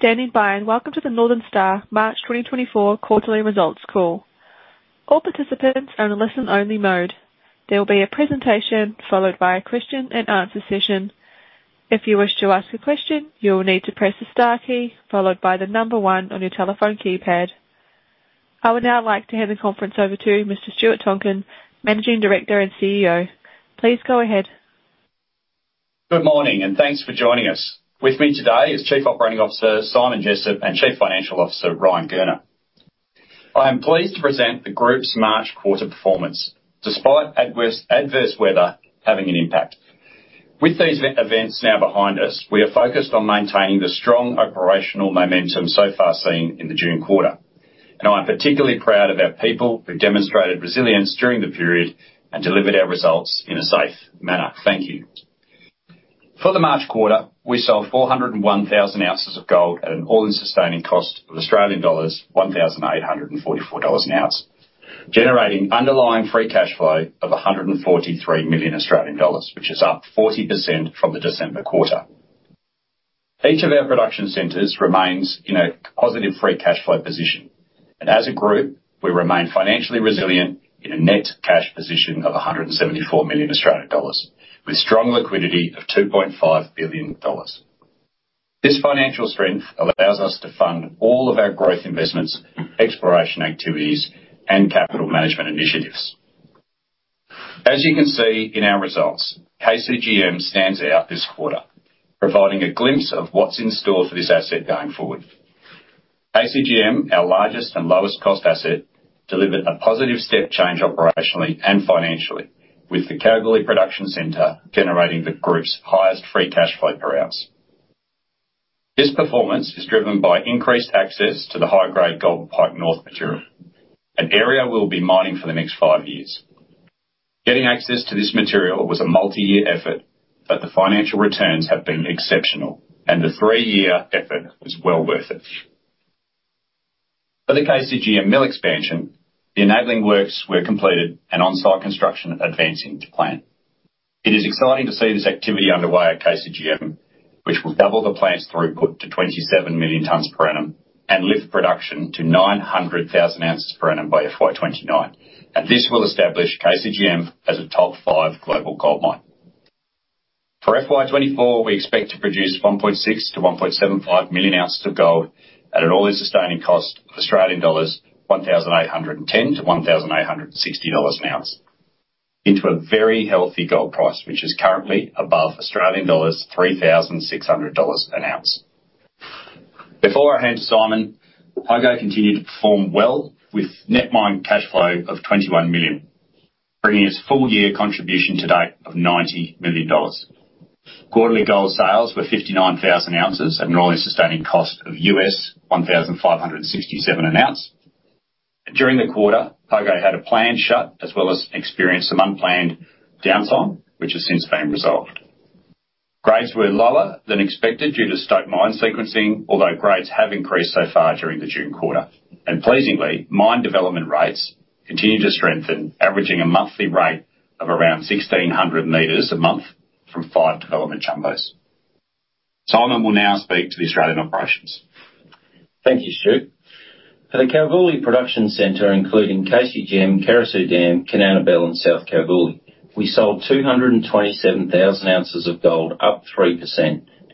Thank you for standing by and welcome to the Northern Star March 2024 quarterly results call. All participants are in a listen-only mode. There will be a presentation followed by a question-and-answer session. If you wish to ask a question, you will need to press the star key followed by the number 1 on your telephone keypad. I would now like to hand the conference over to Mr. Stuart Tonkin, Managing Director and CEO. Please go ahead. Good morning, and thanks for joining us. With me today is Chief Operating Officer Simon Jessop and Chief Financial Officer Ryan Gurner. I am pleased to present the group's March quarter performance, despite adverse weather having an impact. With these events now behind us, we are focused on maintaining the strong operational momentum so far seen in the June quarter, and I am particularly proud of our people who demonstrated resilience during the period and delivered our results in a safe manner. Thank you. For the March quarter, we sold 401,000 ounces of gold at an all-in-sustaining cost of Australian dollars 1,844 an ounce, generating underlying free cash flow of 143 million Australian dollars, which is up 40% from the December quarter. Each of our production centers remains in a positive free cash flow position, and as a group, we remain financially resilient in a net cash position of 174 million Australian dollars, with strong liquidity of 2.5 billion dollars. This financial strength allows us to fund all of our growth investments, exploration activities, and capital management initiatives. As you can see in our results, KCGM stands out this quarter, providing a glimpse of what's in store for this asset going forward. KCGM, our largest and lowest-cost asset, delivered a positive step change operationally and financially, with the Kalgoorlie Production Centre generating the group's highest free cash flow per ounce. This performance is driven by increased access to the high-grade Golden Pike North material, an area we'll be mining for the next five years. Getting access to this material was a multi-year effort, but the financial returns have been exceptional, and the three-year effort was well worth it. For the KCGM mill expansion, the enabling works were completed and on-site construction advancing to plan. It is exciting to see this activity underway at KCGM, which will double the plant's throughput to 27 million tonnes per annum and lift production to 900,000 ounces per annum by FY2029, and this will establish KCGM as a top five global gold mine. For FY2024, we expect to produce 1.6-1.75 million ounces of gold at an all-in-sustaining cost of 1,810-1,860 Australian dollars an ounce, into a very healthy gold price which is currently above Australian dollars 3,600 an ounce. Before I hand to Simon, Pogo continued to perform well with net mine cash flow of 21 million, bringing its full-year contribution to date of 90 million dollars. Quarterly gold sales were 59,000 ounces at an all-in-sustaining cost of $1,567 an ounce. During the quarter, Pogo had a planned shut as well as experienced some unplanned downtime, which has since been resolved. Grades were lower than expected due to stope mine sequencing, although grades have increased so far during the June quarter. Pleasingly, mine development rates continue to strengthen, averaging a monthly rate of around 1,600 meters a month from five development jumbos. Simon will now speak to the Australian operations. Thank you, Stuart. For the Kalgoorlie Production Centre, including KCGM, Carosue Dam, Kanowna Belle, and South Kalgoorlie, we sold 227,000 ounces of gold, up 3%,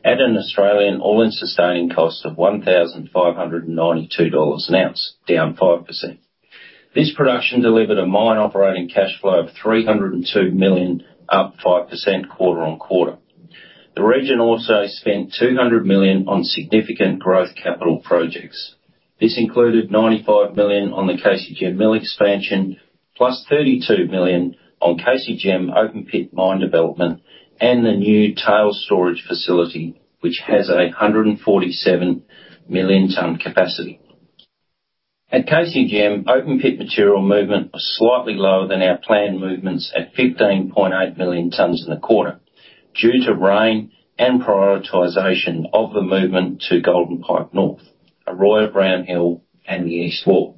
at an Australian all-in-sustaining cost of AUD 1,592 an ounce, down 5%. This production delivered a mine operating cash flow of AUD 302 million, up 5% quarter-on-quarter. The region also spent AUD 200 million on significant growth capital projects. This included AUD 95 million on the KCGM mill expansion, plus AUD 32 million on KCGM open-pit mine development and the new tail storage facility, which has a 147 million-tonne capacity. At KCGM, open-pit material movement was slightly lower than our planned movements at 15.8 million tonnes in the quarter due to rain and prioritization of the movement to Golden Pike North, Oroya Brownhill, and the East Wall.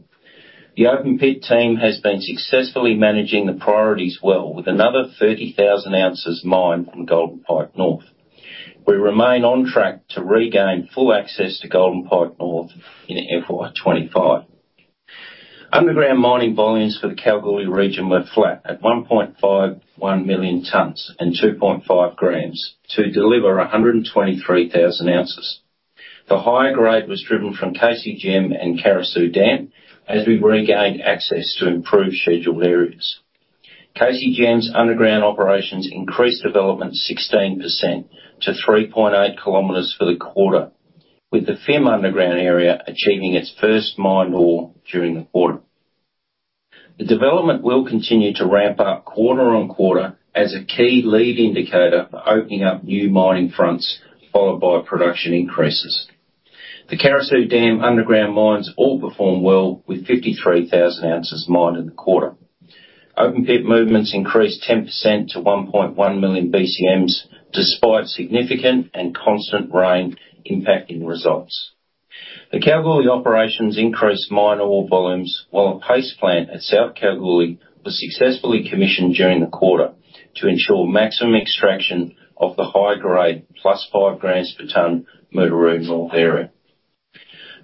The open-pit team has been successfully managing the priorities well, with another 30,000 ounces mined from Golden Pike North. We remain on track to regain full access to Golden Pike North in FY25. Underground mining volumes for the Kalgoorlie region were flat at 1.51 million tonnes and 2.5 grams to deliver 123,000 ounces. The higher grade was driven from KCGM and Carosue Dam as we regained access to improved scheduled areas. KCGM's underground operations increased development 16% to 3.8 kilometers for the quarter, with the FIM Underground area achieving its first mine ore during the quarter. The development will continue to ramp up quarter-on-quarter as a key lead indicator for opening up new mining fronts, followed by production increases. The Carosue Dam underground mines all performed well, with 53,000 ounces mined in the quarter. Open-pit movements increased 10% to 1.1 million BCMs, despite significant and constant rain impacting the results. The Kalgoorlie operations increased mine ore volumes while a paste plant at South Kalgoorlie was successfully commissioned during the quarter to ensure maximum extraction of the high-grade +5 grams per ton Mutooroo North area.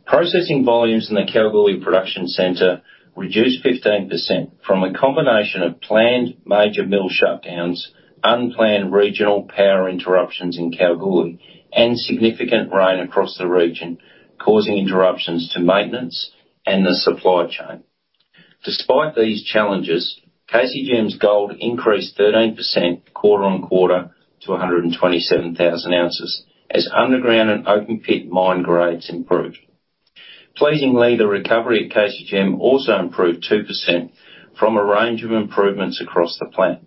Processing volumes in the Kalgoorlie Production Centre reduced 15% from a combination of planned major mill shutdowns, unplanned regional power interruptions in Kalgoorlie, and significant rain across the region, causing interruptions to maintenance and the supply chain. Despite these challenges, KCGM's gold increased 13% quarter-on-quarter to 127,000 ounces as underground and open-pit mine grades improved. Pleasingly, the recovery at KCGM also improved 2% from a range of improvements across the plant.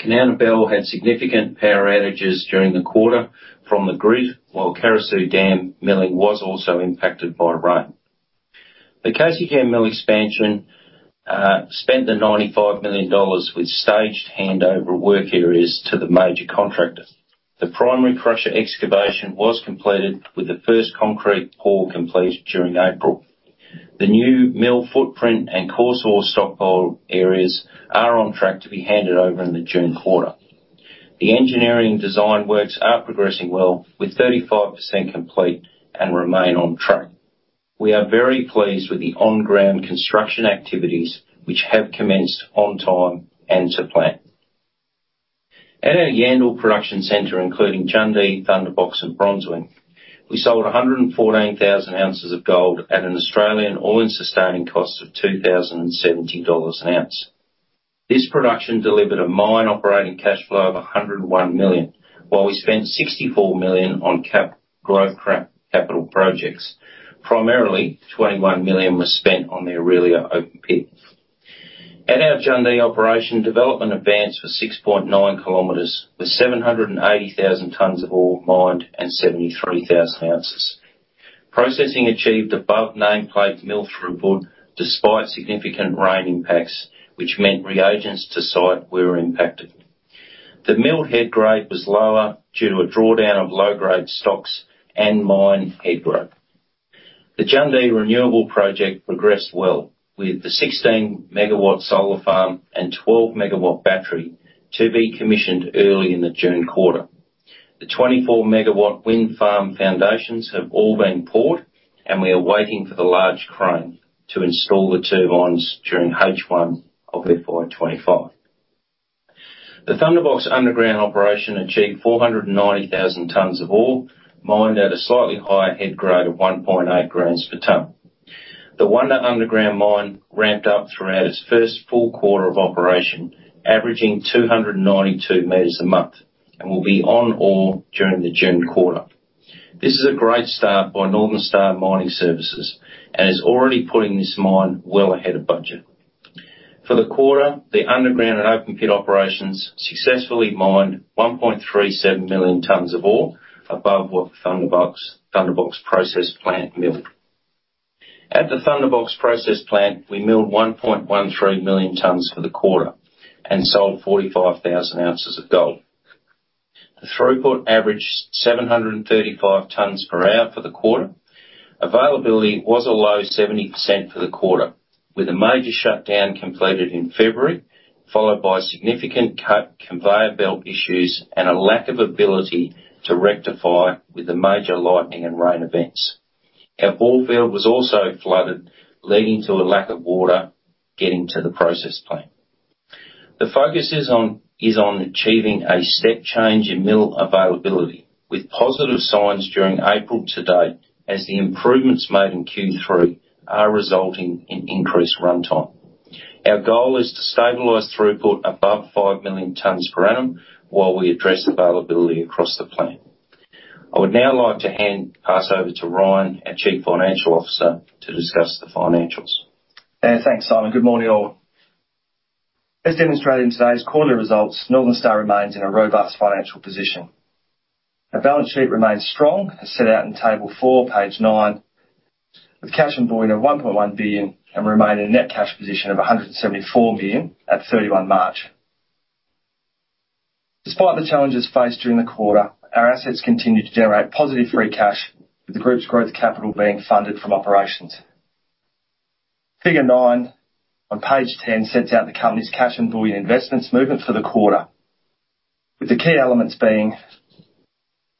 Kanowna Belle had significant power outages during the quarter from the grid, while Carosue Dam milling was also impacted by rain. The KCGM mill expansion spent 95 million dollars with staged handover work areas to the major contractor. The primary crusher excavation was completed, with the first concrete pour completed during April. The new mill footprint and coarse ore stockpile areas are on track to be handed over in the June quarter. The engineering design works are progressing well, with 35% complete and remain on track. We are very pleased with the on-ground construction activities, which have commenced on time and to plan. At our Yandal Production Centre, including Jundee, Thunderbox, and Bronzewing, we sold 114,000 ounces of gold at an Australian all-in-sustaining cost of 2,070 dollars an ounce. This production delivered a mine operating cash flow of 101 million, while we spent 64 million on growth capital projects. Primarily, 21 million was spent on the Orelia open pit. At our Jundee operation, development advanced for 6.9 kilometers, with 780,000 tonnes of ore mined and 73,000 ounces. Processing achieved above nameplate mill throughput despite significant rain impacts, which meant reagents to site were impacted. The mill head grade was lower due to a drawdown of low-grade stocks and mine head growth. The Jundee renewable project progressed well, with the 16-MW solar farm and 12-MW battery to be commissioned early in the June quarter. The 24-MW wind farm foundations have all been poured, and we are waiting for the large crane to install the turbines during H1 of FY 2025. The Thunderbox underground operation achieved 490,000 tonnes of ore, mined at a slightly higher head grade of 1.8 grams per ton. The Wonder Underground mine ramped up throughout its first full quarter of operation, averaging 292 meters a month, and will be on ore during the June quarter. This is a great start by Northern Star Mining Services and is already putting this mine well ahead of budget. For the quarter, the underground and open-pit operations successfully mined 1.37 million tonnes of ore above what the Thunderbox process plant milled. At the Thunderbox process plant, we milled 1.13 million tonnes for the quarter and sold 45,000 ounces of gold. The throughput averaged 735 tonnes per hour for the quarter. Availability was a low 70% for the quarter, with a major shutdown completed in February, followed by significant conveyor belt issues and a lack of ability to rectify with the major lightning and rain events. Our bore field was also flooded, leading to a lack of water getting to the process plant. The focus is on achieving a step change in mill availability, with positive signs during April to date as the improvements made in Q3 are resulting in increased runtime. Our goal is to stabilize throughput above 5 million tonnes per annum while we address availability across the plant. I would now like to pass over to Ryan, our Chief Financial Officer, to discuss the financials. Thanks, Simon. Good morning, all. As demonstrated in today's quarterly results, Northern Star remains in a robust financial position. Our balance sheet remains strong, as set out in Table 4, page 9, with cash and bullion of 1.1 billion and remaining in a net cash position of 174 million at 31 March. Despite the challenges faced during the quarter, our assets continue to generate positive free cash, with the group's growth capital being funded from operations. Figure 9 on page 10 sets out the company's cash and bullion investments movement for the quarter, with the key elements being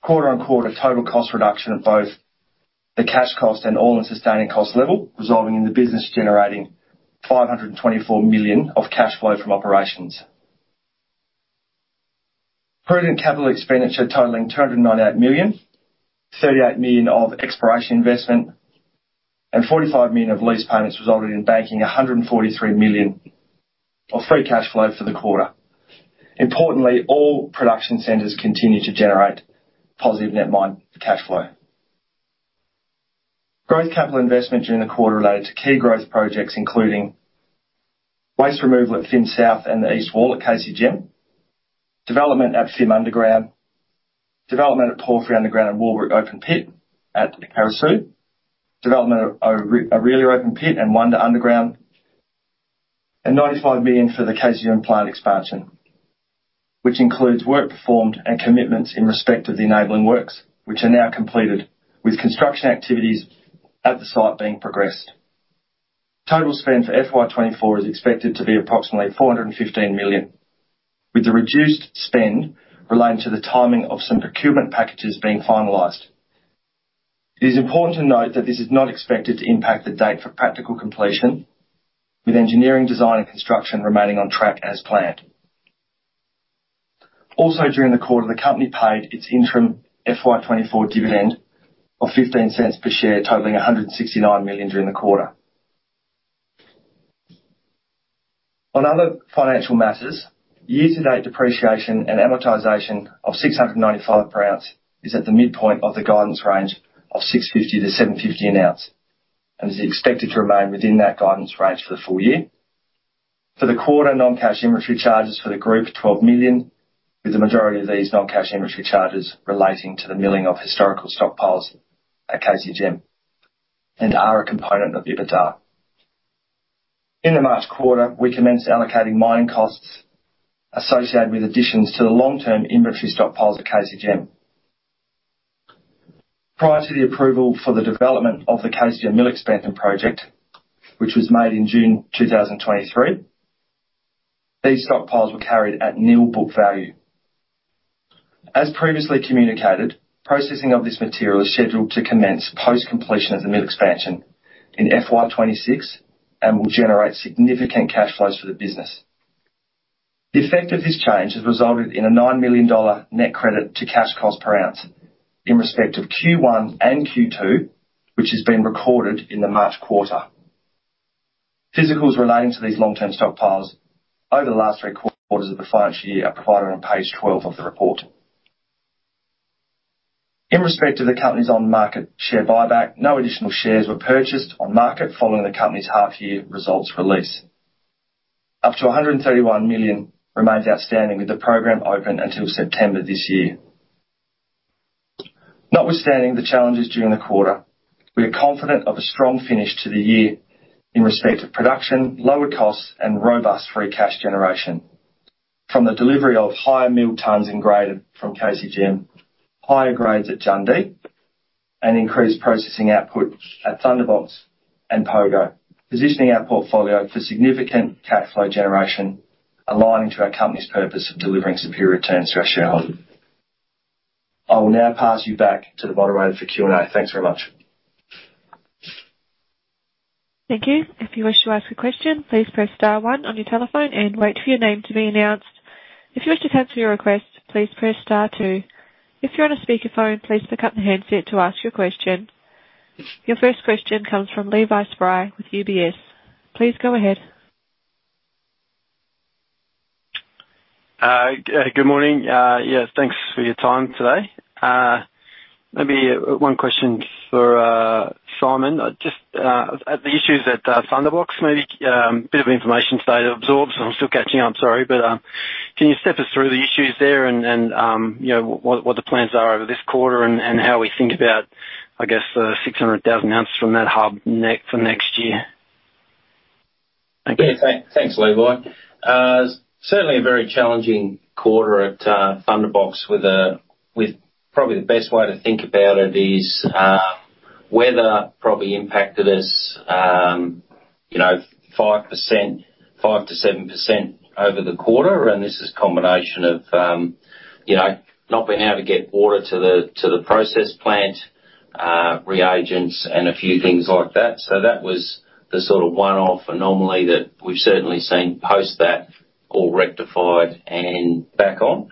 quarter-on-quarter total cost reduction at both the cash cost and all-in-sustaining cost level, resulting in the business generating 524 million of cash flow from operations. Prudent capital expenditure totaling 298 million, 38 million of exploration investment, and 45 million of lease payments resulted in banking 143 million of free cash flow for the quarter. Importantly, all production centers continue to generate positive net mine cash flow. Growth capital investment during the quarter related to key growth projects, including waste removal at FIM South and the East Wall at KCGM, development at FIM Underground, development at Porphyry Underground and Wallbrook open pit at Carosue, development at Orelia open pit and Wonder Underground, and 95 million for the KCGM plant expansion, which includes work performed and commitments in respect of the enabling works, which are now completed, with construction activities at the site being progressed. Total spend for FY24 is expected to be approximately 415 million, with the reduced spend relating to the timing of some procurement packages being finalized. It is important to note that this is not expected to impact the date for practical completion, with engineering, design, and construction remaining on track as planned. Also, during the quarter, the company paid its interim FY 2024 dividend of 0.15 per share, totaling 169 million during the quarter. On other financial matters, year-to-date depreciation and amortization of 695 per ounce is at the midpoint of the guidance range of 650-750 an ounce and is expected to remain within that guidance range for the full year. For the quarter, non-cash inventory charges for the group are 12 million, with the majority of these non-cash inventory charges relating to the milling of historical stockpiles at KCGM and are a component of EBITDA. In the March quarter, we commenced allocating mining costs associated with additions to the long-term inventory stockpiles at KCGM. Prior to the approval for the development of the KCGM mill expansion project, which was made in June 2023, these stockpiles were carried at nil book value. As previously communicated, processing of this material is scheduled to commence post-completion of the mill expansion in FY26 and will generate significant cash flows for the business. The effect of this change has resulted in an 9 million dollar net credit to cash cost per ounce in respect of Q1 and Q2, which has been recorded in the March quarter. Physicals relating to these long-term stockpiles over the last three quarters of the financial year are provided on page 12 of the report. In respect of the company's on-market share buyback, no additional shares were purchased on market following the company's half-year results release. Up to 131 million remains outstanding, with the program open until September this year. Notwithstanding the challenges during the quarter, we are confident of a strong finish to the year in respect of production, lowered costs, and robust free cash generation from the delivery of higher mill tonnes and grade from KCGM, higher grades at Jundee, and increased processing output at Thunderbox and Pogo, positioning our portfolio for significant cash flow generation, aligning to our company's purpose of delivering superior returns to our shareholders. I will now pass you back to the moderator for Q&A. Thanks very much. Thank you. If you wish to ask a question, please press star 1 on your telephone and wait for your name to be announced. If you wish to cancel your request, please press star 2. If you're on a speakerphone, please pick up the handset to ask your question. Your first question comes from Levi Spry with UBS. Please go ahead. Good morning. Yes, thanks for your time today. Maybe one question for Simon. The issues at Thunderbox, maybe a bit of information today to absorb, so I'm still catching up. Sorry. But can you step us through the issues there and what the plans are over this quarter and how we think about, I guess, the 600,000 ounces from that hub for next year? Thank you. Yeah. Thanks, Levi. Certainly a very challenging quarter at Thunderbox, with probably the best way to think about it is weather probably impacted us 5%-7% over the quarter. And this is a combination of not being able to get water to the process plant, reagents, and a few things like that. So that was the sort of one-off anomaly that we've certainly seen post that all rectified and back on.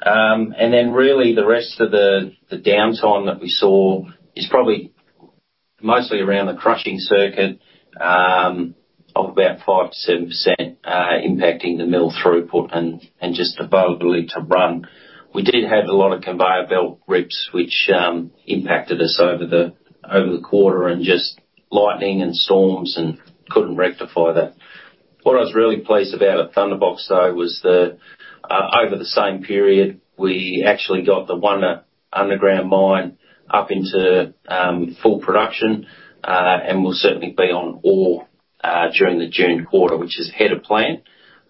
And then really, the rest of the downtime that we saw is probably mostly around the crushing circuit of about 5%-7% impacting the mill throughput and just above the limit to run. We did have a lot of conveyor belt rips, which impacted us over the quarter, and just lightning and storms and couldn't rectify that. What I was really pleased about at Thunderbox, though, was that over the same period, we actually got the Wonder Underground mine up into full production and will certainly be on ore during the June quarter, which is ahead of plan,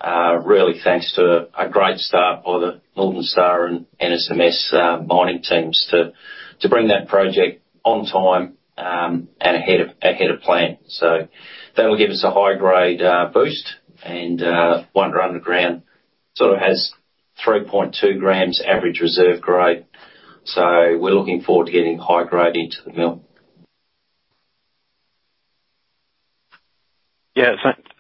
really thanks to a great start by the Northern Star and NSMS mining teams to bring that project on time and ahead of plan. So that will give us a high-grade boost. And Wonder Underground sort of has 3.2 grams average reserve grade. So we're looking forward to getting high-grade into the mill. Yeah.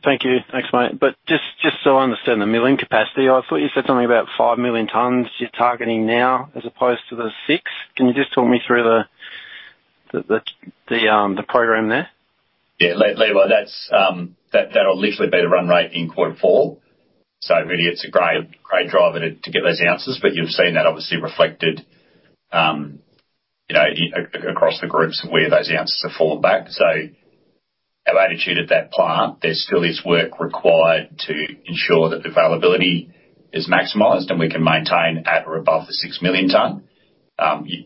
Thank you. Thanks, mate. But just so I understand the milling capacity, I thought you said something about 5,000,000 tonnes you're targeting now as opposed to the 6. Can you just talk me through the program there? Yeah. Levi, that'll literally be the run rate in Q4. So really, it's a great driver to get those ounces. But you've seen that obviously reflected across the groups of where those ounces have fallen back. So our attitude at that plant, there still is work required to ensure that the availability is maximized and we can maintain at or above the 6 million tonne.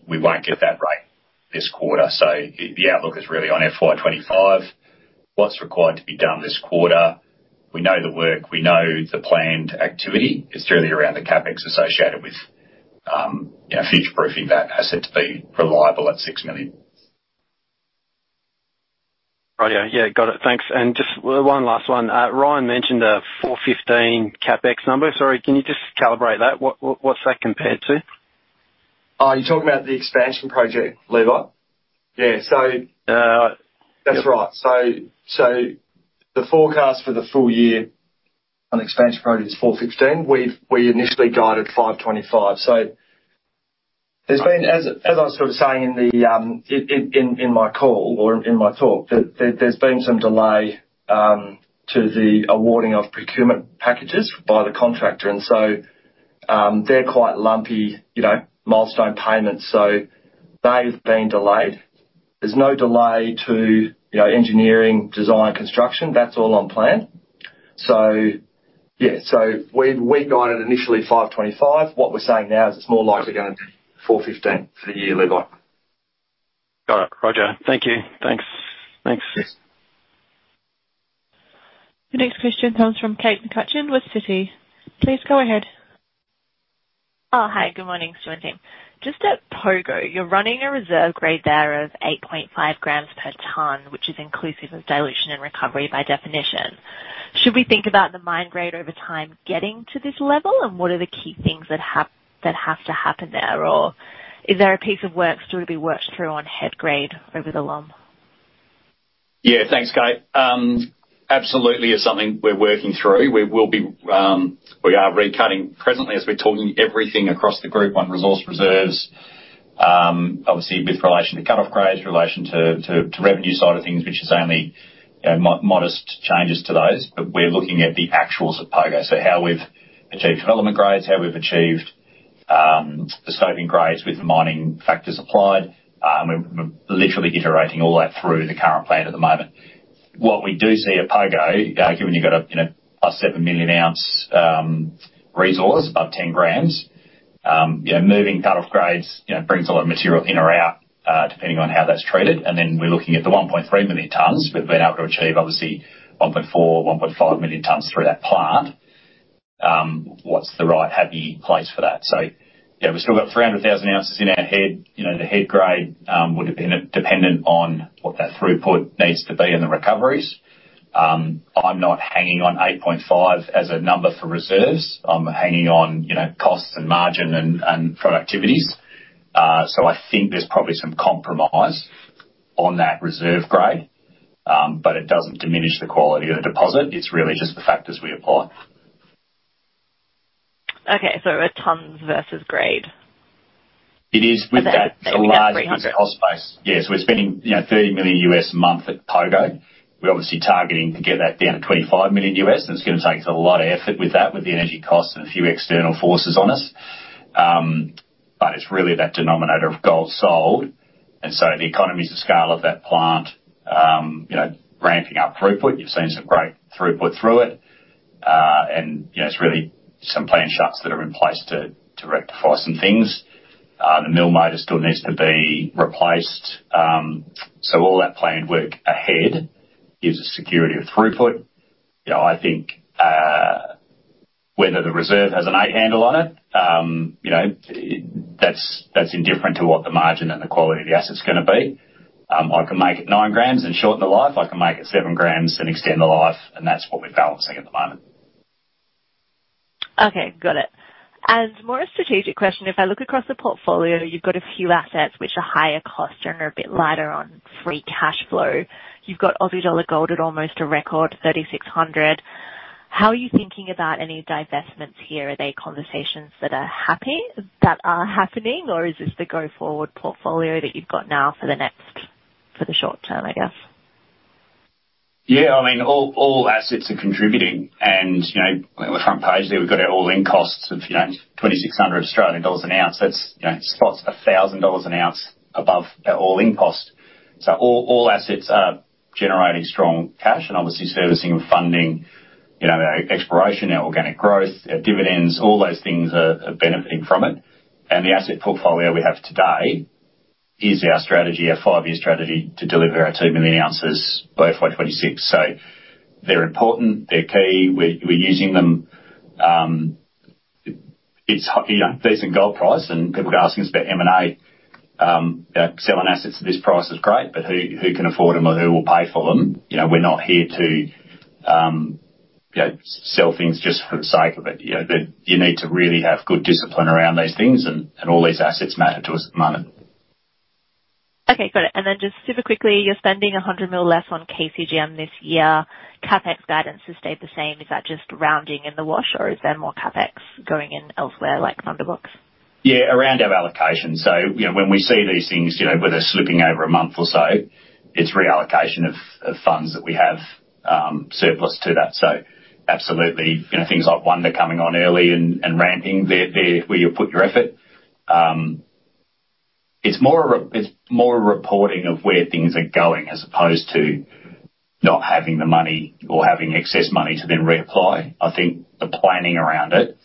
We won't get that rate this quarter. So the outlook is really on FY2025, what's required to be done this quarter. We know the work. We know the planned activity. It's really around the CapEx associated with future-proofing that asset to be reliable at 6 million. Right. Yeah. Yeah. Got it. Thanks. And just one last one. Ryan mentioned a 415 CapEx number. Sorry. Can you just calibrate that? What's that compared to? Are you talking about the expansion project, Levi? Yeah. So that's right. So the forecast for the full year on the expansion project is 415. We initially guided 525. So as I was sort of saying in my call or in my talk, there's been some delay to the awarding of procurement packages by the contractor. And so they're quite lumpy milestone payments. So they've been delayed. There's no delay to engineering, design, construction. That's all on plan. So yeah. So we guided initially 525. What we're saying now is it's more likely going to be 415 for the year, Levi. Got it. Roger. Thank you. Thanks. Thanks. Your next question comes from Kate McCutcheon with Citi. Please go ahead. Oh, hi. Good morning, Stuart team. Just at Pogo, you're running a reserve grade there of 8.5 grams per tonne, which is inclusive of dilution and recovery by definition. Should we think about the mine grade over time getting to this level, and what are the key things that have to happen there? Or is there a piece of work still to be worked through on head grade over the long? Yeah. Thanks, Kate. Absolutely is something we're working through. We are recutting presently as we're talking everything across the group on resource reserves, obviously with relation to cut-off grades, relation to revenue side of things, which is only modest changes to those. But we're looking at the actuals at Pogo, so how we've achieved development grades, how we've achieved the scoping grades with the mining factors applied. And we're literally iterating all that through the current plan at the moment. What we do see at Pogo, given you've got a plus 7-million-ounce resource, above 10 grams, moving cut-off grades brings a lot of material in or out depending on how that's treated. And then we're looking at the 1.3 million tonnes we've been able to achieve, obviously 1.4, 1.5 million tonnes through that plant. What's the right happy place for that? So we've still got 300,000 ounces in our head. The head grade will depend on what that throughput needs to be and the recoveries. I'm not hanging on 8.5 as a number for reserves. I'm hanging on costs and margin and productivities. So I think there's probably some compromise on that reserve grade, but it doesn't diminish the quality of the deposit. It's really just the factors we apply. Okay. So tonnes versus grade. It is with that large cost base. Yeah. So we're spending $30 million a month at Pogo. We're obviously targeting to get that down to $25 million. And it's going to take us a lot of effort with that, with the energy costs and a few external forces on us. But it's really that denominator of gold sold. And so the economies of scale of that plant, ramping up throughput, you've seen some great throughput through it. And it's really some planned shutdowns that are in place to rectify some things. The mill motor still needs to be replaced. So all that planned work ahead gives us security of throughput. I think whether the reserve has an 8 handle on it, that's indifferent to what the margin and the quality of the asset's going to be. I can make it 9 grams and shorten the life. I can make it 7 grams and extend the life. That's what we're balancing at the moment. Okay. Got it. And more a strategic question. If I look across the portfolio, you've got a few assets which are higher cost and are a bit lighter on free cash flow. You've got Aussie dollar gold at almost a record, 3,600. How are you thinking about any divestments here? Are they conversations that are happening, or is this the go-forward portfolio that you've got now for the short term, I guess? Yeah. I mean, all assets are contributing. On the front page there, we've got our all-in costs of 2,600 Australian dollars an ounce. The spot's $1,000 an ounce above our all-in cost. All assets are generating strong cash and obviously servicing and funding their exploration, their organic growth, their dividends. All those things are benefiting from it. The asset portfolio we have today is our five-year strategy to deliver our 2 million ounces by FY26. So they're important. They're key. We're using them. It's a decent gold price. People are asking us about M&A. Selling assets at this price is great, but who can afford them or who will pay for them? We're not here to sell things just for the sake of it. You need to really have good discipline around these things. All these assets matter to us at the moment. Okay. Got it. And then just super quickly, you're spending 100 million less on KCGM this year. CapEx guidance has stayed the same. Is that just rounding in the wash, or is there more CapEx going in elsewhere like Thunderbox? Yeah. Around our allocation. So when we see these things whether slipping over a month or so, it's reallocation of funds that we have surplus to that. So absolutely, things like Wonder coming on early and ramping where you put your effort, it's more a reporting of where things are going as opposed to not having the money or having excess money to then reapply. I think the planning around it,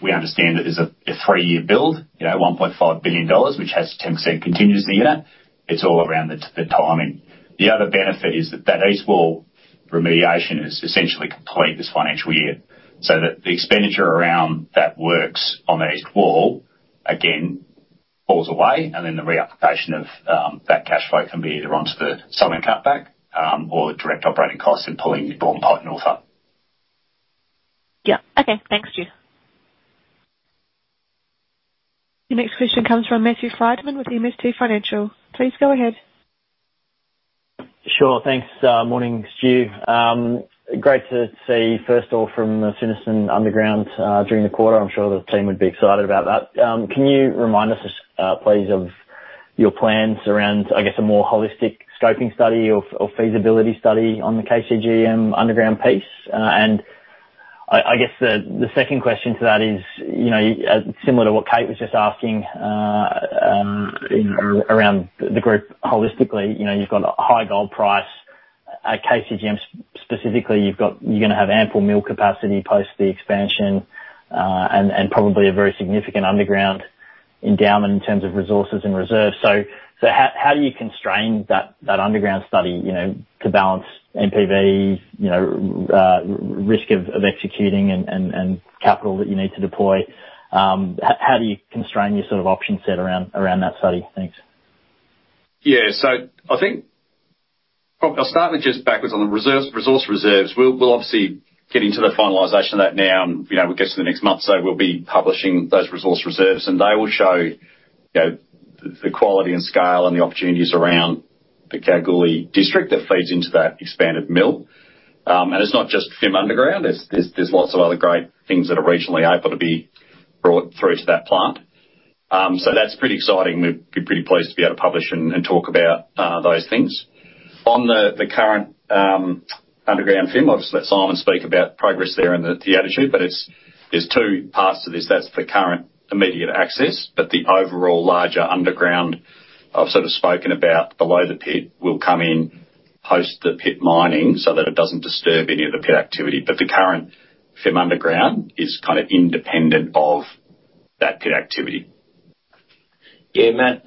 we understand it is a three-year build, 1.5 billion dollars, which has 10% continuously in it. It's all around the timing. The other benefit is that that east wall remediation is essentially complete this financial year. So the expenditure around that works on that east wall, again, falls away. And then the reallocation of that cash flow can be either onto the southern cutback or direct operating costs and pulling Brownhill North up. Yeah. Okay. Thanks, Stuart. Your next question comes from Matthew Frydman with MST Financial. Please go ahead. Sure. Thanks. Morning, Stuart. Great to see, first of all, from the Swindlerson Underground during the quarter. I'm sure the team would be excited about that. Can you remind us, please, of your plans around, I guess, a more holistic scoping study or feasibility study on the KCGM Underground piece? And I guess the second question to that is similar to what Kate was just asking around the group holistically. You've got a high gold price. At KCGM specifically, you're going to have ample mill capacity post the expansion and probably a very significant underground endowment in terms of resources and reserves. So how do you constrain that underground study to balance NPV, risk of executing, and capital that you need to deploy? How do you constrain your sort of option set around that study? Thanks. Yeah. So I think I'll start with just a look back on the resource reserves. We'll obviously get into the finalization of that now. We'll get to the next month. So we'll be publishing those resource reserves. And they will show the quality and scale and the opportunities around the Kalgoorlie district that feeds into that expanded mill. And it's not just Fimiston Underground. There's lots of other great things that are regionally able to be brought through to that plant. So that's pretty exciting. We'd be pretty pleased to be able to publish and talk about those things. On the current underground Fimiston, obviously, let Simon speak about progress there and the attitude. But there's two parts to this. That's the current immediate access. But the overall larger underground I've sort of spoken about below the pit will come in post the pit mining so that it doesn't disturb any of the pit activity. But the current FIM Underground is kind of independent of that pit activity. Yeah, Matt.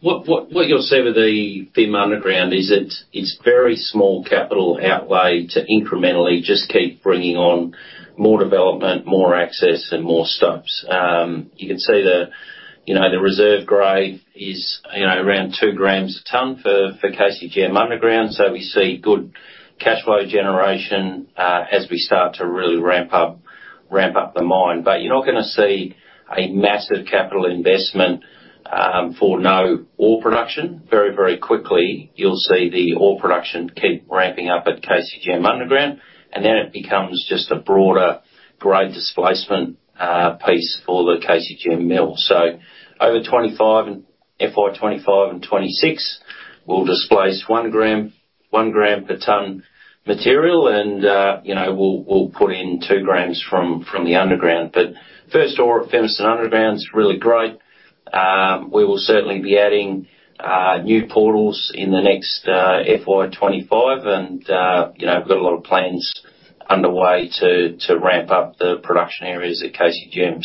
What you'll see with the Fimiston Underground is it's very small capital outlay to incrementally just keep bringing on more development, more access, and more stops. You can see the reserve grade is around 2 grams per ton for KCGM Underground. So we see good cash flow generation as we start to really ramp up the mine. But you're not going to see a massive capital investment for no ore production. Very, very quickly, you'll see the ore production keep ramping up at KCGM Underground. And then it becomes just a broader grade displacement piece for the KCGM mill. So over FY25 and 2026, we'll displace 1 gram per ton material. And we'll put in 2 grams from the underground. But first, Fimiston Underground's really great. We will certainly be adding new portals in the next FY25. We've got a lot of plans underway to ramp up the production areas at KCGM.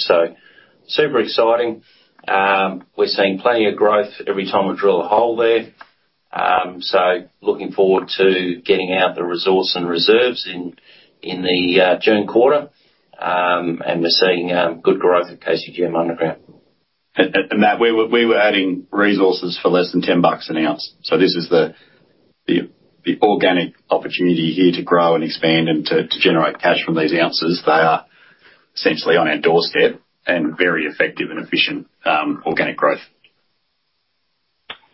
Super exciting. We're seeing plenty of growth every time we drill a hole there. Looking forward to getting out the resource and reserves in the June quarter. We're seeing good growth at KCGM Underground. And Matt, we were adding resources for less than $10 an ounce. So this is the organic opportunity here to grow and expand and to generate cash from these ounces. They are essentially on our doorstep and very effective and efficient organic growth.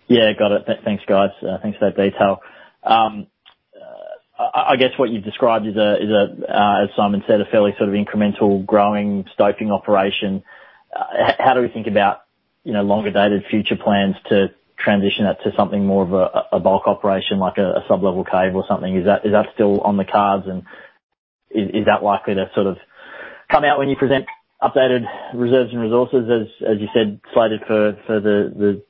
Yeah. Got it. Thanks, guys. Thanks for that detail. I guess what you've described is, as Simon said, a fairly sort of incremental growing scoping operation. How do we think about longer-dated future plans to transition that to something more of a bulk operation like a sublevel cave or something? Is that still on the cards? And is that likely to sort of come out when you present updated reserves and resources? As you said, slated for the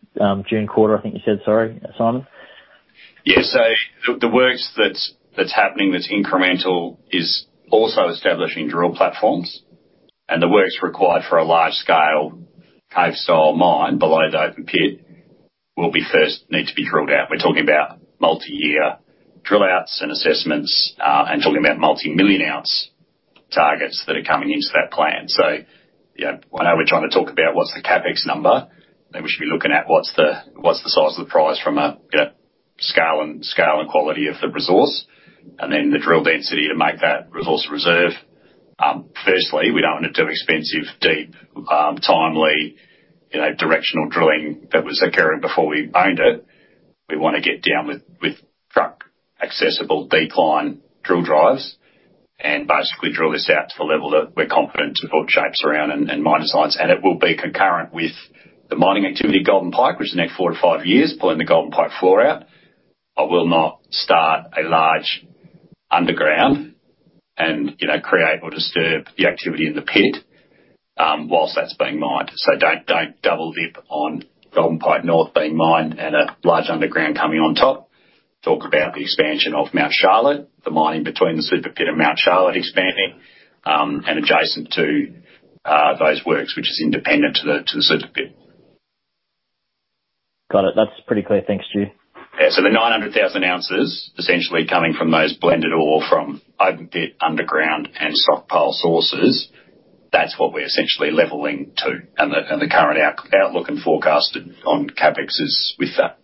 June quarter, I think you said, sorry, Simon? Yeah. So the works that's happening that's incremental is also establishing drill platforms. The works required for a large-scale cave-style mine below the open pit will first need to be drilled out. We're talking about multi-year drill-outs and assessments and talking about multi-million ounce targets that are coming into that plan. So I know we're trying to talk about what's the CapEx number. We should be looking at what's the size of the price from a scale and quality of the resource and then the drill density to make that resource a reserve. Firstly, we don't want to do expensive, deep, timely directional drilling that was occurring before we owned it. We want to get down with truck-accessible decline drill drives and basically drill this out to the level that we're confident to put shapes around and mine designs. It will be concurrent with the mining activity at Golden Pike, which is the next 4-5 years, pulling the Golden Pike floor out. I will not start a large underground and create or disturb the activity in the pit while that's being mined. So don't double dip on Golden Pike North being mined and a large underground coming on top. Talk about the expansion of Mount Charlotte, the mining between the Super Pit and Mount Charlotte expanding and adjacent to those works, which is independent to the Super Pit. Got it. That's pretty clear. Thanks, Stuart. Yeah. So the 900,000 ounces essentially coming from those blended ore from open pit, underground, and stockpile sources, that's what we're essentially leveling to. And the current outlook and forecast on CapEx is with that.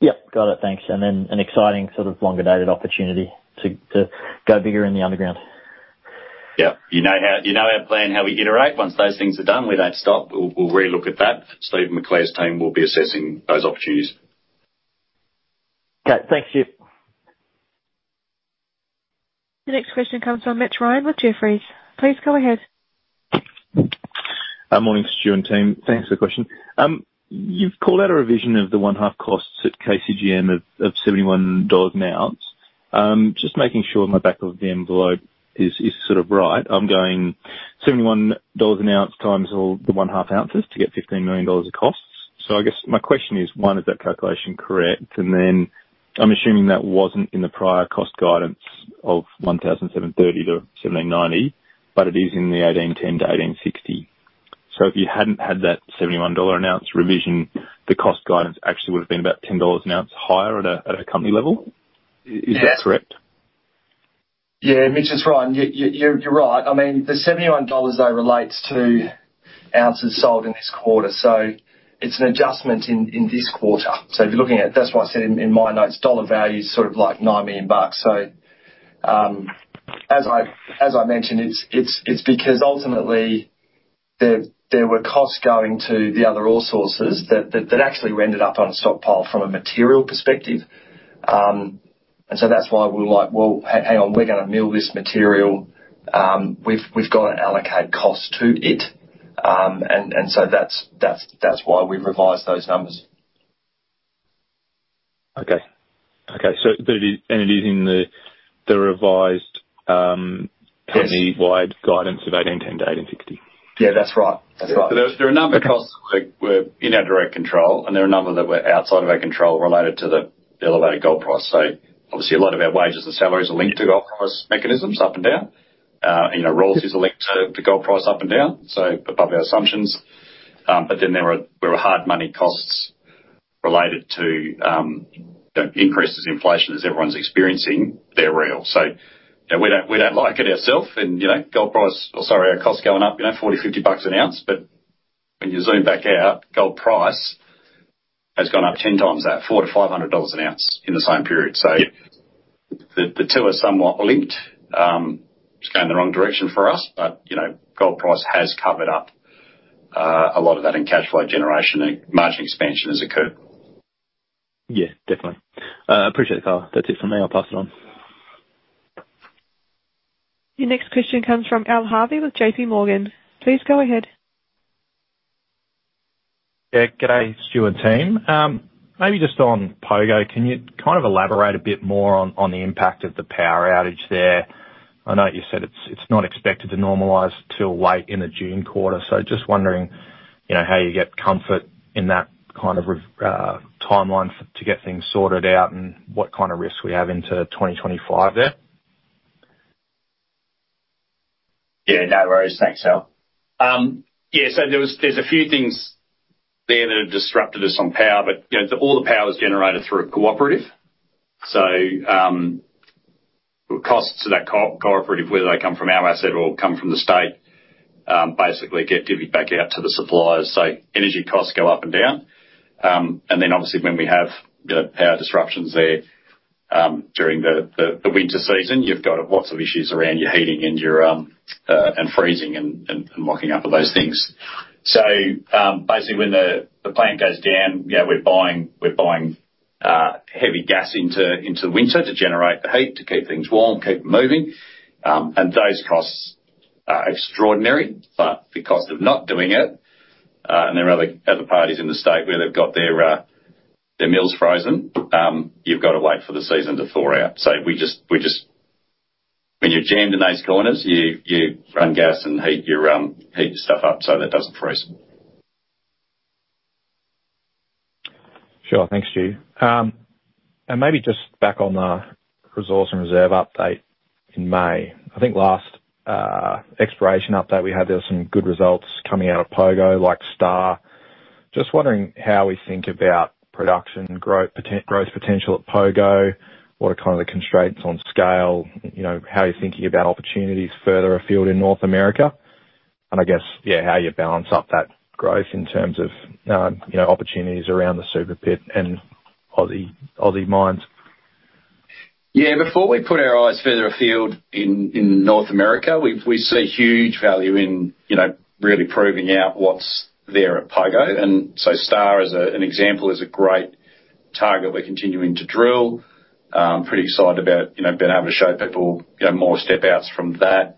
Yep. Got it. Thanks. And then an exciting sort of longer-dated opportunity to go bigger in the underground. Yep. You know our plan, how we iterate. Once those things are done, we don't stop. We'll relook at that. Steven McClare's team will be assessing those opportunities. Okay. Thanks, Stuart. Your next question comes from Mitch Ryan with Jefferies. Please go ahead. Morning, Stuart and team. Thanks for the question. You've called out a revision of the AISC costs at KCGM of 71 dollars an ounce. Just making sure my back of the envelope is sort of right. I'm going 71 dollars an ounce times all the ounces to get 15 million dollars of costs. So I guess my question is, one, is that calculation correct? And then I'm assuming that wasn't in the prior cost guidance of 1,730-1,790, but it is in the 1,810-1,860. So if you hadn't had that 71 dollar an ounce revision, the cost guidance actually would have been about 10 dollars an ounce higher at a company level. Is that correct? Yeah. Mitch is right. You're right. I mean, the 71 dollars, though, relates to ounces sold in this quarter. So it's an adjustment in this quarter. So if you're looking at, that's why I said in my notes, dollar value's sort of like 9 million bucks. So as I mentioned, it's because ultimately, there were costs going to the other ore sources that actually we ended up on a stockpile from a material perspective. And so that's why we're like, "Well, hang on. We're going to mill this material. We've got to allocate cost to it." And so that's why we revised those numbers. Okay. Okay. And it is in the revised company-wide guidance of 1,810-1,860? Yeah. That's right. That's right. So there are a number of costs that were in our direct control, and there are a number that were outside of our control related to the elevated gold price. So obviously, a lot of our wages and salaries are linked to gold price mechanisms up and down. And royalties are linked to the gold price up and down, so above our assumptions. But then there were hard-money costs related to increases in inflation as everyone's experiencing. They're real. So we don't like it ourselves. And gold price or, sorry, our costs going up $40-$50 an ounce. But when you zoom back out, gold price has gone up 10 times that, $400-$500 an ounce in the same period. So the two are somewhat linked. It's going the wrong direction for us. But gold price has covered up a lot of that in cash flow generation and margin expansion as occurred. Yeah. Definitely. Appreciate the call. That's it from me. I'll pass it on. Your next question comes from Al Harvey with JPMorgan. Please go ahead. Yeah. G'day, Stuart and team. Maybe just on Pogo, can you kind of elaborate a bit more on the impact of the power outage there? I know you said it's not expected to normalize till late in the June quarter. So just wondering how you get comfort in that kind of timeline to get things sorted out and what kind of risks we have into 2025 there. Yeah. No worries. Thanks, Al. Yeah. So there's a few things there that have disrupted us on power. But all the power is generated through a cooperative. So costs to that cooperative, whether they come from our asset or come from the state, basically get divvied back out to the suppliers. So energy costs go up and down. And then obviously, when we have power disruptions there during the winter season, you've got lots of issues around your heating and freezing and mocking up of those things. So basically, when the plant goes down, we're buying heavy gas into the winter to generate the heat, to keep things warm, keep them moving. And those costs are extraordinary. But because of not doing it and there are other parties in the state where they've got their mills frozen, you've got to wait for the season to thaw out. So when you're jammed in those corners, you run gas and heat your stuff up so that doesn't freeze. Sure. Thanks, Stuart. Maybe just back on the resource and reserve update in May. I think last exploration update we had, there were some good results coming out of Pogo like STAR. Just wondering how we think about production growth potential at Pogo, what are kind of the constraints on scale, how you're thinking about opportunities further afield in North America, and I guess, yeah, how you balance up that growth in terms of opportunities around the Super Pit and Aussie mines. Yeah. Before we put our eyes further afield in North America, we see huge value in really proving out what's there at Pogo. And so STAR, as an example, is a great target we're continuing to drill. Pretty excited about being able to show people more step-outs from that.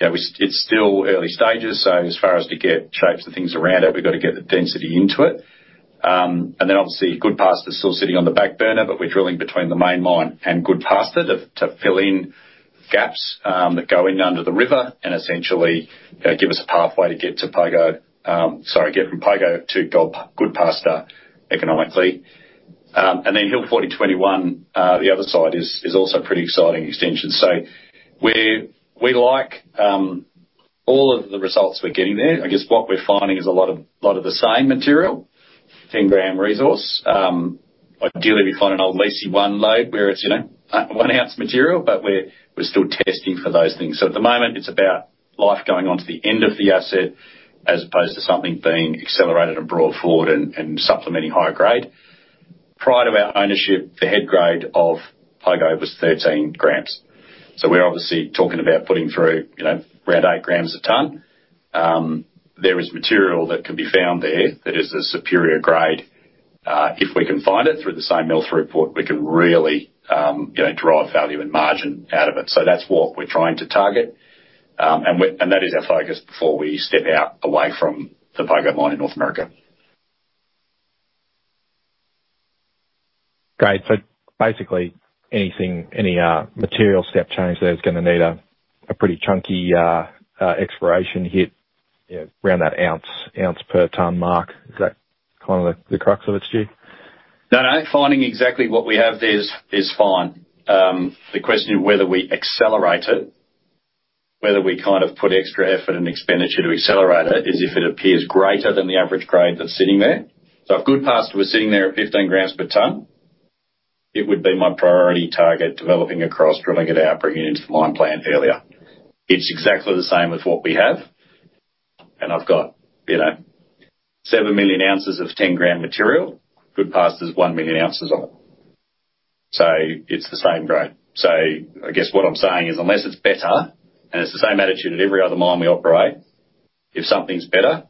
It's still early stages. So as far as to get shapes and things around it, we've got to get the density into it. And then obviously, Goodpaster's still sitting on the back burner, but we're drilling between the main mine and Goodpaster to fill in gaps that go in under the river and essentially give us a pathway to get to Pogo sorry, get from Pogo to Goodpaster economically. And then Hill 4021, the other side, is also pretty exciting extension. So we like all of the results we're getting there. I guess what we're finding is a lot of the same material, 10-gram resource. Ideally, we find an old Liese 1 lode where it's 1 ounce material, but we're still testing for those things. So at the moment, it's about life going onto the end of the asset as opposed to something being accelerated and brought forward and supplementing higher grade. Prior to our ownership, the head grade of Pogo was 13 grams. So we're obviously talking about putting through around 8 grams a ton. There is material that can be found there that is a superior grade. If we can find it through the same mill throughput, we can really derive value and margin out of it. So that's what we're trying to target. And that is our focus before we step out away from the Pogo mine in North America. Great. So basically, any material step change there's going to need a pretty chunky expiration hit around that ounce-per-tonne mark. Is that kind of the crux of it, Stuart? No, no. Finding exactly what we have there is fine. The question of whether we accelerate it, whether we kind of put extra effort and expenditure to accelerate it, is if it appears greater than the average grade that's sitting there. So if Goodpaster was sitting there at 15 grams per tonne, it would be my priority target developing across, drilling it out, bringing it into the mine plant earlier. It's exactly the same with what we have. I've got seven million ounces of 10-gram material. Goodpaster's one million ounces of it. So it's the same grade. So I guess what I'm saying is unless it's better and it's the same attitude at every other mine we operate, if something's better,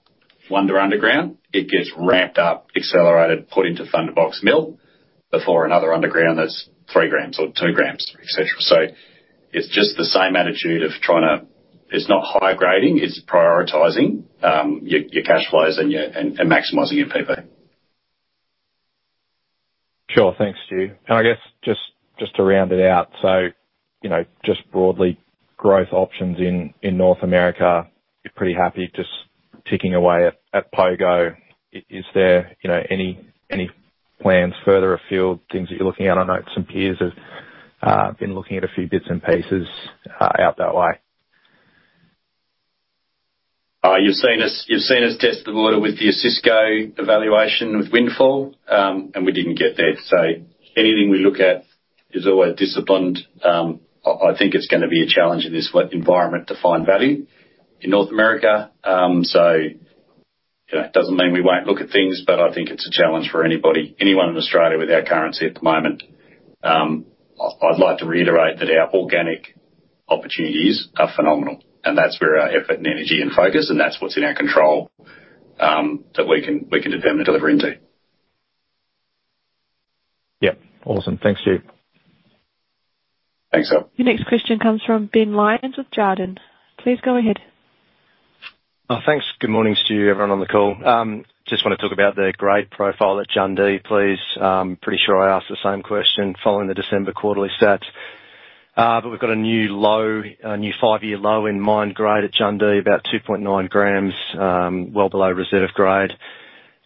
one to underground, it gets ramped up, accelerated, put into Thunderbox Mill before another underground that's three grams or two grams, etc. It's just the same attitude of trying to. It's not high grading. It's prioritizing your cash flows and maximizing your PP. Sure. Thanks, Stuart. I guess just to round it out, so just broadly, growth options in North America, you're pretty happy just ticking away at Pogo. Is there any plans further afield, things that you're looking at? I know some peers have been looking at a few bits and pieces out that way. You've seen us test the water with the Osisko evaluation with Windfall, and we didn't get there. So anything we look at is always disciplined. I think it's going to be a challenge in this environment to find value in North America. So it doesn't mean we won't look at things, but I think it's a challenge for anyone in Australia with our currency at the moment. I'd like to reiterate that our organic opportunities are phenomenal. And that's where our effort and energy and focus, and that's what's in our control that we can determine to deliver into. Yep. Awesome. Thanks, Stuart. Thanks, Al. Your next question comes from Ben Lyons with Jarden. Please go ahead. Thanks. Good morning, Stuart. Everyone on the call. Just want to talk about the grade profile at Jundee, please. Pretty sure I asked the same question following the December quarterly stats. But we've got a new five-year low in mine grade at Jundee, about 2.9 grams, well below reserve grade.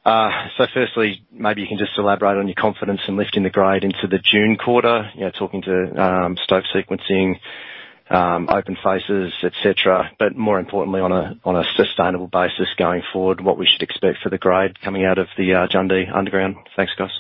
So firstly, maybe you can just elaborate on your confidence in lifting the grade into the June quarter, talking to stoke sequencing, open faces, etc. But more importantly, on a sustainable basis going forward, what we should expect for the grade coming out of the Jundee underground. Thanks, guys.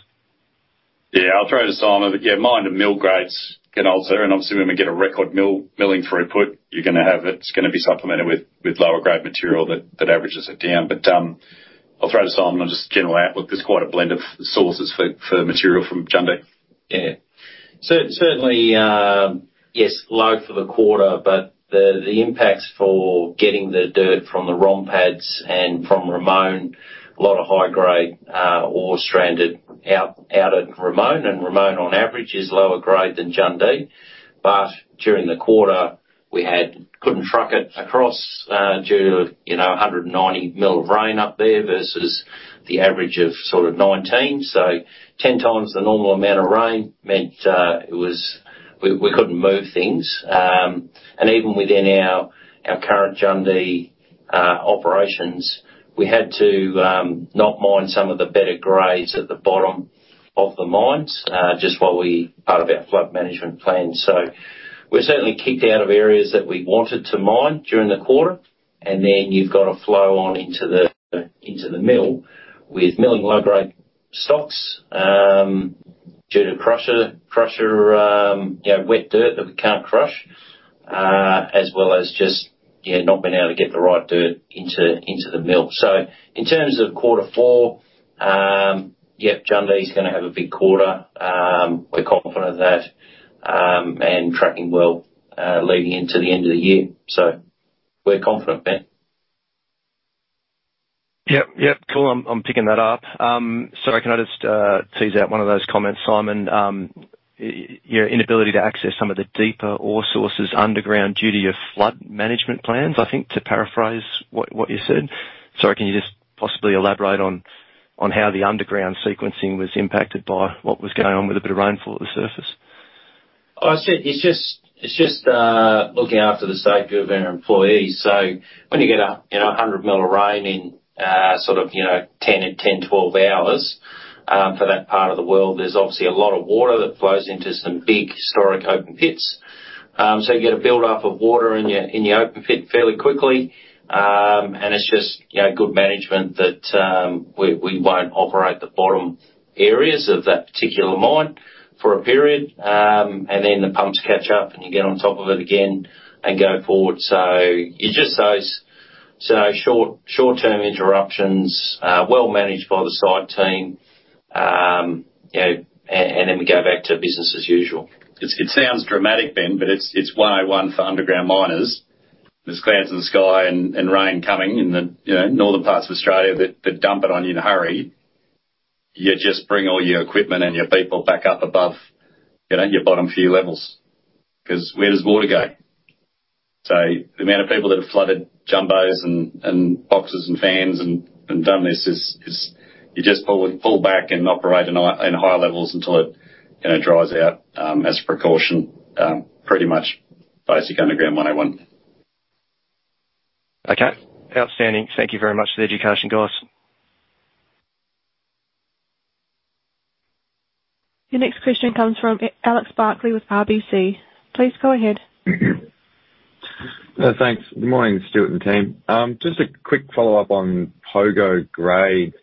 Yeah. I'll throw to Simon. Yeah. Mine and mill grades can alter. And obviously, when we get a record milling throughput, it's going to be supplemented with lower-grade material that averages it down. But I'll throw to Simon on just general outlook. There's quite a blend of sources for material from Jundee. Yeah. So certainly, yes, low for the quarter. But the impacts for getting the dirt from the ROM pads and from Ramone, a lot of high-grade ore stranded out at Ramone. And Ramone, on average, is lower grade than Jundee. But during the quarter, we couldn't truck it across due to 190 mm of rain up there versus the average of sort of 19 mm. So 10 times the normal amount of rain meant we couldn't move things. And even within our current Jundee operations, we had to not mine some of the better grades at the bottom of the mines just as part of our flood management plan. So we're certainly knocked out of areas that we wanted to mine during the quarter. Then you've got to flow on into the mill with milling low-grade stocks due to crusher wet dirt that we can't crush, as well as just not being able to get the right dirt into the mill. In terms of quarter four, yep, Jundee's going to have a big quarter. We're confident of that and tracking well leading into the end of the year. We're confident, Ben. Yep. Yep. Cool. I'm picking that up. Sorry, can I just tease out one of those comments, Simon? Your inability to access some of the deeper ore sources underground due to your flood management plans, I think, to paraphrase what you said. Sorry, can you just possibly elaborate on how the underground sequencing was impacted by what was going on with a bit of rainfall at the surface? Oh, I said it's just looking after the safety of our employees. So when you get 100 mil of rain in sort of 10-12 hours for that part of the world, there's obviously a lot of water that flows into some big historic open pits. So you get a buildup of water in the open pit fairly quickly. And it's just good management that we won't operate the bottom areas of that particular mine for a period. And then the pumps catch up, and you get on top of it again and go forward. So it's just those short-term interruptions, well managed by the site team. And then we go back to business as usual. It sounds dramatic, Ben, but it's 101 for underground miners. There's clouds in the sky and rain coming in the northern parts of Australia that dump it on you in a hurry. You just bring all your equipment and your people back up above your bottom few levels because where does water go? So the amount of people that have flooded jumbos and boxes and fans and done this, you just pull back and operate in higher levels until it dries out as a precaution, pretty much basic underground 101. Okay. Outstanding. Thank you very much for the education, guys. Your next question comes from Alex Barkley with RBC. Please go ahead. Thanks. Good morning, Stuart and team. Just a quick follow-up on Pogo grade.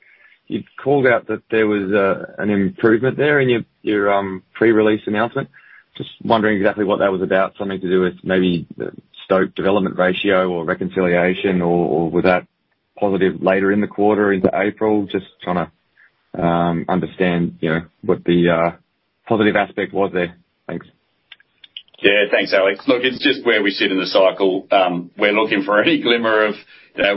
You've called out that there was an improvement there in your pre-release announcement. Just wondering exactly what that was about, something to do with maybe the stope development ratio or reconciliation, or was that positive later in the quarter into April? Just trying to understand what the positive aspect was there. Thanks. Yeah. Thanks, Alex. Look, it's just where we sit in the cycle. We're looking for any glimmer of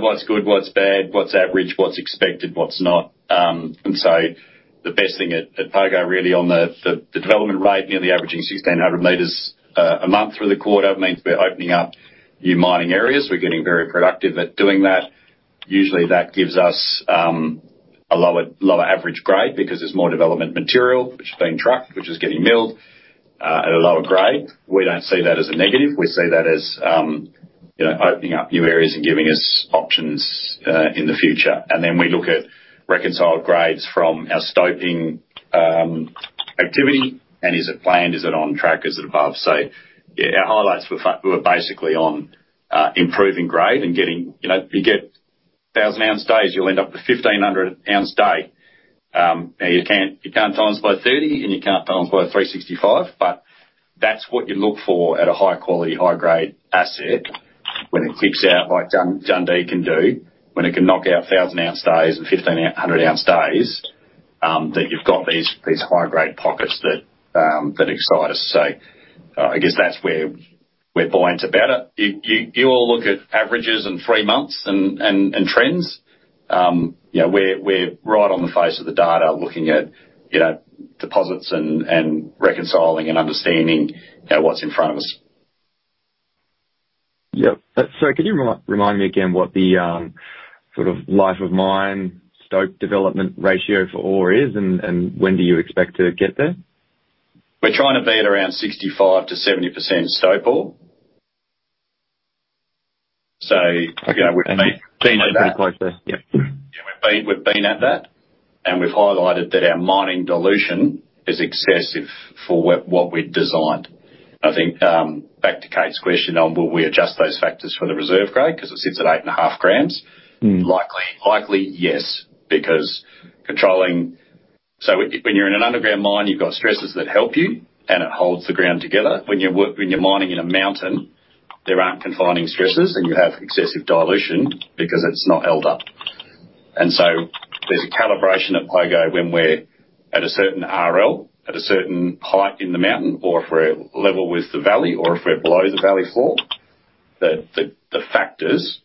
what's good, what's bad, what's average, what's expected, what's not. And so the best thing at Pogo, really, on the development rate, nearly averaging 1,600 meters a month through the quarter, means we're opening up new mining areas. We're getting very productive at doing that. Usually, that gives us a lower average grade because there's more development material, which is being trucked, which is getting milled, at a lower grade. We don't see that as a negative. We see that as opening up new areas and giving us options in the future. And then we look at reconciled grades from our stoping activity. And is it planned? Is it on track? Is it above? So yeah, our highlights were basically on improving grade and getting you get 1,000-ounce days. You'll end up with 1,500-ounce day. Now, you can't times by 30, and you can't times by 365. But that's what you look for at a high-quality, high-grade asset. When it clicks out like Jundee can do, when it can knock out 1,000-ounce days and 1,500-ounce days, that you've got these high-grade pockets that excite us. So I guess that's where we're buoyant about it. You all look at averages and three months and trends. We're right on the face of the data looking at deposits and reconciling and understanding what's in front of us. Yep. Sorry, can you remind me again what the sort of life-of-mine stope development ratio for ore is, and when do you expect to get there? We're trying to be at around 65%-70% stope ore. So we've been. Okay. We've been pretty close there. Yep. Yeah. We've been at that. And we've highlighted that our mining dilution is excessive for what we'd designed. And I think back to Kate's question on will we adjust those factors for the reserve grade because it sits at 8.5 grams, likely, yes, because controlling so when you're in an underground mine, you've got stressors that help you, and it holds the ground together. When you're mining in a mountain, there aren't confining stressors, and you have excessive dilution because it's not held up. And so there's a calibration at Pogo when we're at a certain RL, at a certain height in the mountain, or if we're level with the valley, or if we're below the valley floor, that the factors,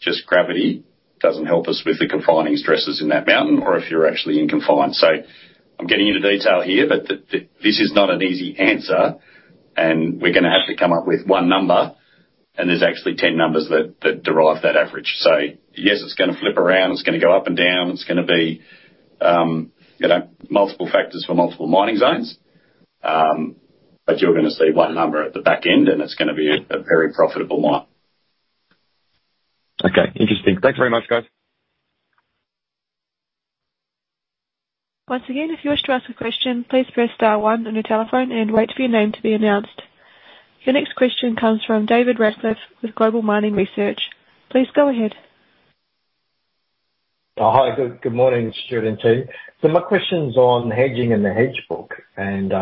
just gravity, doesn't help us with the confining stressors in that mountain or if you're actually in confined. I'm getting into detail here, but this is not an easy answer. We're going to have to come up with one number. There's actually 10 numbers that derive that average. Yes, it's going to flip around. It's going to go up and down. It's going to be multiple factors for multiple mining zones. You're going to see one number at the back end, and it's going to be a very profitable mine. Okay. Interesting. Thanks very much, guys. Once again, if you wish to ask a question, please press star one on your telephone and wait for your name to be announced. Your next question comes from David Radclyffe with Global Mining Research. Please go ahead. Hi. Good morning, Stuart and team. So my question's on hedging and the hedge book. And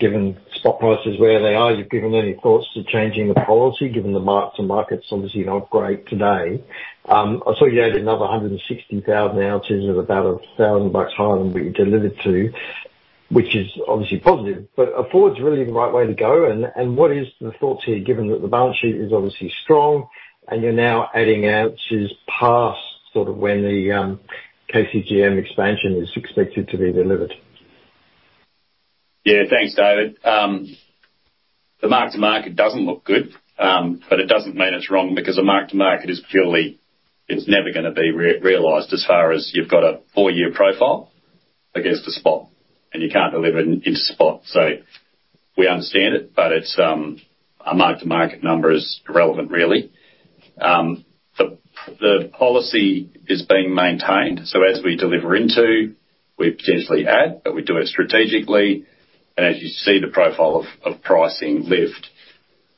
given spot prices where they are, have you given any thoughts to changing the policy, given the macro and markets obviously not great today. I saw you added another 160,000 ounces at about $1,000 higher than what you delivered to, which is obviously positive. But is forwards really the right way to go. And what are the thoughts here, given that the balance sheet is obviously strong, and you're now adding ounces past sort of when the KCGM expansion is expected to be delivered? Yeah. Thanks, David. The mark-to-market doesn't look good, but it doesn't mean it's wrong because a mark-to-market is purely it's never going to be realized as far as you've got a four-year profile against a spot, and you can't deliver into spot. So we understand it, but our mark-to-market number is irrelevant, really. The policy is being maintained. So as we deliver into, we potentially add, but we do it strategically. And as you see the profile of pricing lift,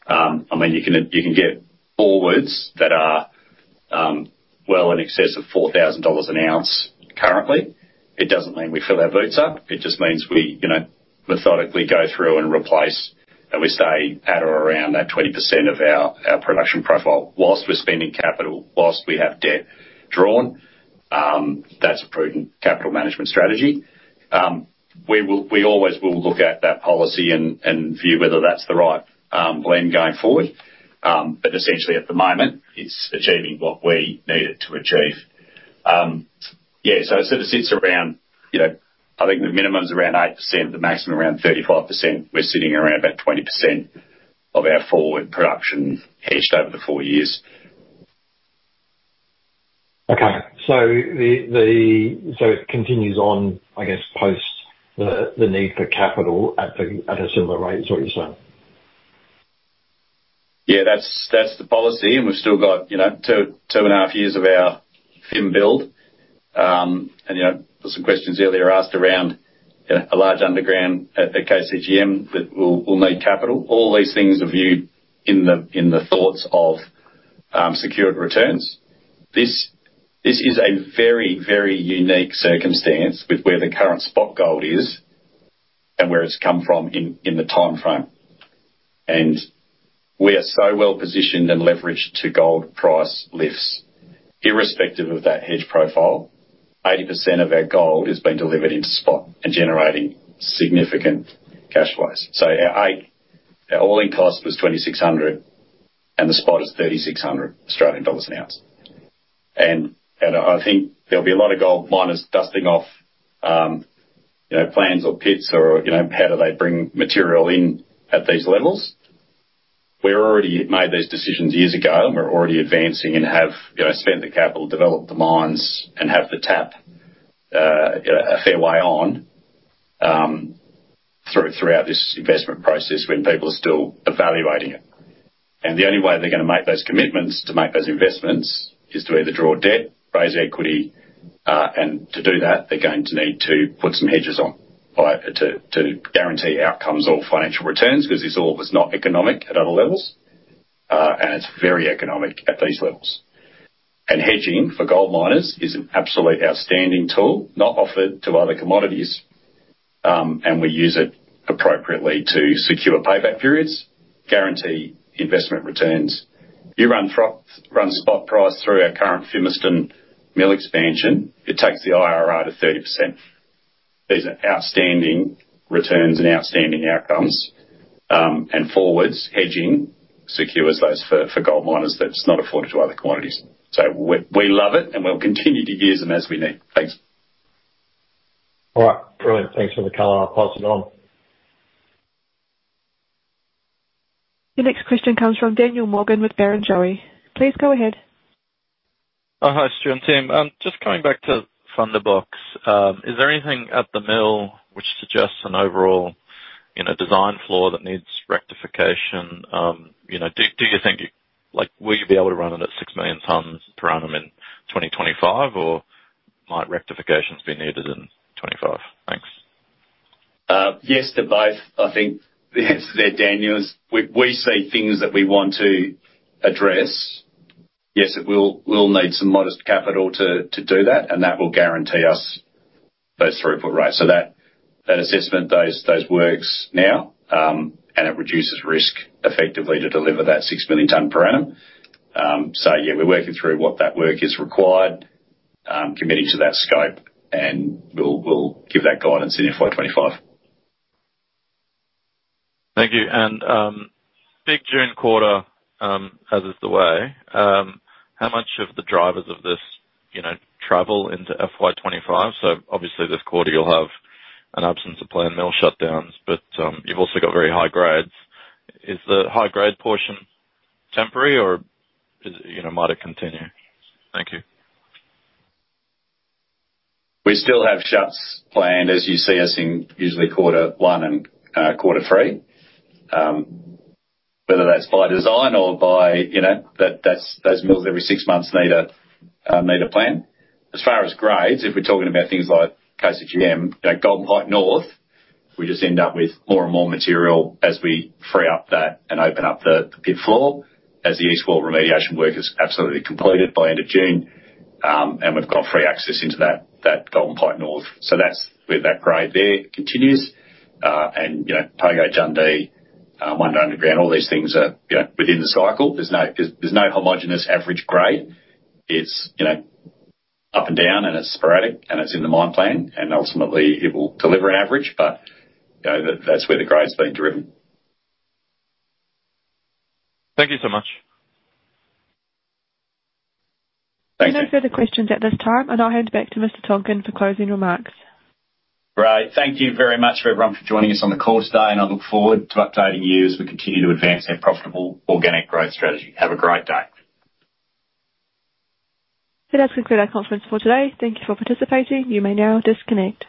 I mean, you can get forwards that are well in excess of $4,000 an ounce currently. It doesn't mean we fill our boots up. It just means we methodically go through and replace, and we stay at or around that 20% of our production profile while we're spending capital, while we have debt drawn. That's a prudent capital management strategy. We always will look at that policy and view whether that's the right blend going forward. But essentially, at the moment, it's achieving what we need it to achieve. Yeah. So I said it sits around I think the minimum's around 8%. The maximum, around 35%. We're sitting around about 20% of our forward production hedged over the four years. Okay. It continues on, I guess, post the need for capital at a similar rate, is what you're saying? Yeah. That's the policy. We've still got two and a half years of our FIM build. There were some questions earlier asked around a large underground at KCGM that we'll need capital. All these things are viewed in the thoughts of secured returns. This is a very, very unique circumstance with where the current spot gold is and where it's come from in the timeframe. We are so well positioned and leveraged to gold price lifts, irrespective of that hedge profile, 80% of our gold has been delivered into spot and generating significant cash flows. Our all-in cost was 2,600, and the spot is 3,600 Australian dollars an ounce. I think there'll be a lot of gold miners dusting off plans or pits or how do they bring material in at these levels. We've already made these decisions years ago, and we're already advancing and have spent the capital, developed the mines, and have the tap a fair way on throughout this investment process when people are still evaluating it. The only way they're going to make those commitments to make those investments is to either draw debt, raise equity. To do that, they're going to need to put some hedges on to guarantee outcomes or financial returns because this all was not economic at other levels. It's very economic at these levels. Hedging for gold miners is an absolute outstanding tool, not offered to other commodities. We use it appropriately to secure payback periods, guarantee investment returns. You run spot price through our current Fimiston mill expansion. It takes the IRR to 30%. These are outstanding returns and outstanding outcomes. Forwards, hedging secures those for gold miners that's not afforded to other commodities. So we love it, and we'll continue to use them as we need. Thanks. All right. Brilliant. Thanks for the call. I'll pass it on. Your next question comes from Daniel Morgan with Barrenjoey. Please go ahead. Hi, Stuart and team. Just coming back from the books, is there anything at the mill which suggests an overall design flaw that needs rectification? Do you think you will be able to run it at 6 million tonnes per annum in 2025, or might rectifications be needed in 2025? Thanks. Yes to both. I think yes to Daniel's. We see things that we want to address. Yes, we'll need some modest capital to do that, and that will guarantee us those throughput rates. So that assessment, those works now, and it reduces risk effectively to deliver that 6 million tonne per annum. So yeah, we're working through what that work is required, committing to that scope, and we'll give that guidance in FY25. Thank you. Big June quarter, as is the way, how much of the drivers of this travel into FY25? Obviously, this quarter, you'll have an absence of planned mill shutdowns, but you've also got very high grades. Is the high-grade portion temporary, or might it continue? Thank you. We still have shutdowns planned, as you see us in usually quarter one and quarter three, whether that's by design or by those mills every six months need a plan. As far as grades, if we're talking about things like KCGM, Golden Mile North, we just end up with more and more material as we free up that and open up the pit floor, as the East Wall remediation work is absolutely completed by end of June. We've got free access into that Golden Mile North. So that's where that grade there continues. Pogo, Jundee, Wonder Underground, all these things are within the cycle. There's no homogeneous average grade. It's up and down, and it's sporadic, and it's in the mine plan. Ultimately, it will deliver an average. But that's where the grade's being driven. Thank you so much. Thank you. No further questions at this time. I'll hand back to Mr. Tonkin for closing remarks. Great. Thank you very much for everyone for joining us on the call today. I look forward to updating you as we continue to advance our profitable organic growth strategy. Have a great day. That has concluded our conference for today. Thank you for participating. You may now disconnect.